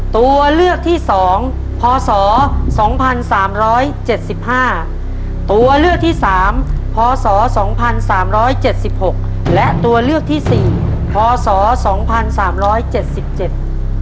ตัวเลือกที่สองพศสองพันสามร้อยเจ็ดสิบห้าตัวเลือกที่สามพศสองพันสามร้อยเจ็ดสิบหกและตัวเลือกที่สี่พศสองพันสามร้อยเจ็ดสิบเจ็ด